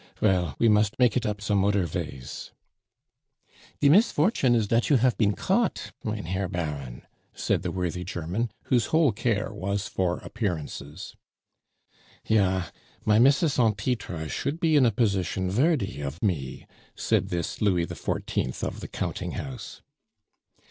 Vell, we must make it up some oder vays." "De misfortune is dat you shall hafe been caught, mein Herr Baron," said the worthy German, whose whole care was for appearances. "Ja, my miss'ess en titre should be in a position vody of me," said this Louis XIV. of the counting house.